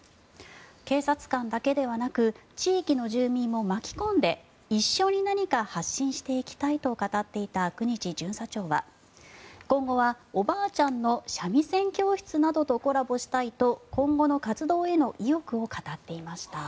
警察官だけではなく地域の住民も巻き込んで一緒に何か発信していきたいと語っていた九日巡査長は今後はおばあちゃんの三味線教室などとコラボしたいと今後の活動への意欲を語っていました。